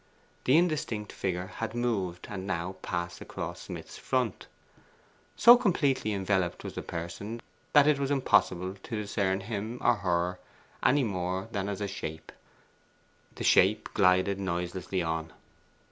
The indistinct figure had moved, and now passed across Smith's front. So completely enveloped was the person, that it was impossible to discern him or her any more than as a shape. The shape glided noiselessly on.